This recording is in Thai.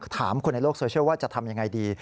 คนในโลกโซเชียลว่าจะทำยังไงดี